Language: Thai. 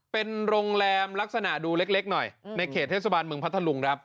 เป็นโรงแรมลักษณะดูเล็กหน่อยในเขตเทศบาลเมืองพัทธลุงครับ